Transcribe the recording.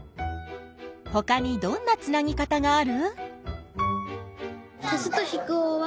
ほかにどんなつなぎ方がある？